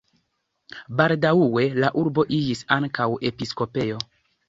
Baldaŭe la urbo iĝis ankaŭ episkopejo.